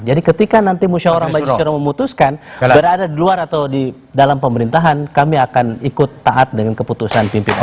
jadi ketika nanti musyawarah majiswara memutuskan berada di luar atau di dalam pemerintahan kami akan ikut taat dengan keputusan pimpinan